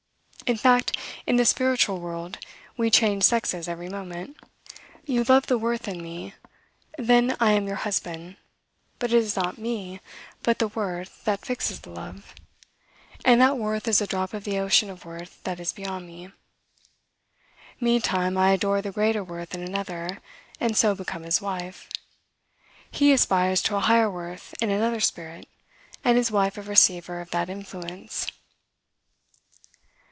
In fact, in the spiritual world, we change sexes every moment. You love the worth in me; then I am your husband: but it is not me, but the worth, that fixes the love; and that worth is a drop of the ocean of worth that is beyond me. Meantime, I adore the greater worth in another, and so become his wife. He aspires to a higher worth in another spirit, and is wife of receiver of that influence.